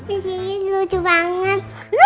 ini lucu banget